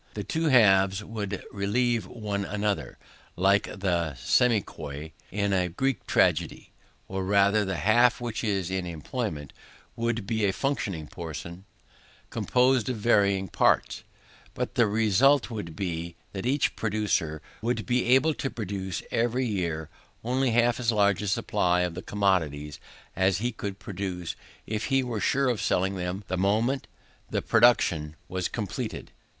The two halves would relieve one another, like the semichori in a Greek tragedy; or rather the half which was in employment would be a fluctuating portion, composed of varying parts; but the result would be, that each producer would be able to produce every year only half as large a supply of commodities, as he could produce if he were sure of selling them the moment the production was completed.